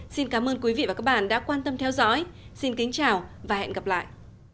xin cảm ơn quý vị và các bạn đã quan tâm theo dõi xin kính chào và hẹn gặp lại